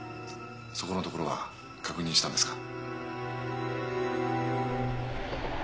そこのところは確認したんですか？